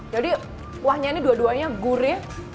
jadi kuahnya ini dua duanya gurih